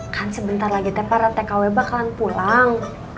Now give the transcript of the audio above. kan sebentar lagi tpa tkw bakalan pulang